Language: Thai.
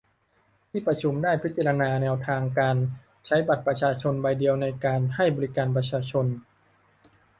ที่ประชุมได้พิจาณาถึงแนวทางการใช้บัตรประชาชนใบเดียวในการบริการประชาชน